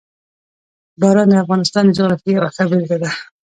باران د افغانستان د جغرافیې یوه ښه بېلګه ده.